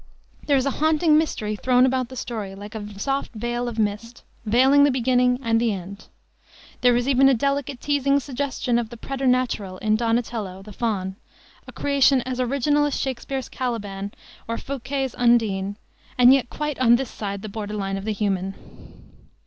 There is a haunting mystery thrown about the story, like a soft veil of mist, veiling the beginning and the end. There is even a delicate teasing suggestion of the preternatural in Donatello, the Faun, a creation as original as Shakspere's Caliban, or Fouqué's Undine, and yet quite on this side the border line of the human.